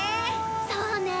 そうね。